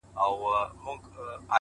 زارۍ ـ